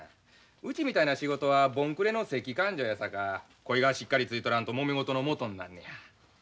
うちみたいな仕事は盆暮れの節季勘定やさかこいがしっかりついとらんともめ事のもとになんねや。